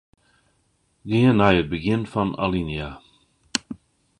Gean nei it begjin fan alinea.